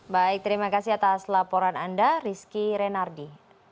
baik terima kasih atas laporan anda rizky renardi